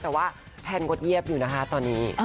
แต่ว่าแพนก็เงียบอยู่นะคะตอนนี้